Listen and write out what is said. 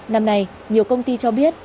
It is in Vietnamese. năm nay nhiều công ty cho biết